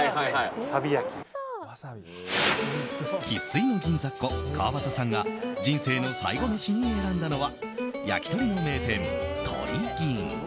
生粋の銀座っ子、川端さんが人生の最後メシに選んだのは焼き鳥の名店、鳥ぎん。